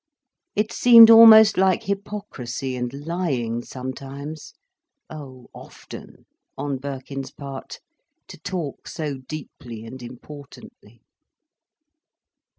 It seemed almost like hypocrisy and lying, sometimes, oh, often, on Birkin's part, to talk so deeply and importantly.